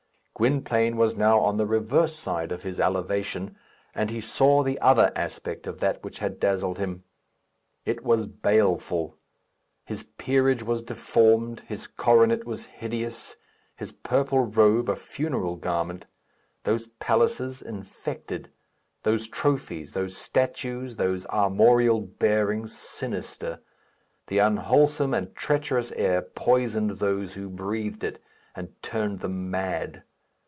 Gwynplaine was now on the reverse side of his elevation, and he saw the other aspect of that which had dazzled him. It was baleful. His peerage was deformed, his coronet was hideous; his purple robe, a funeral garment; those palaces, infected; those trophies, those statues, those armorial bearings, sinister; the unwholesome and treacherous air poisoned those who breathed it, and turned them mad.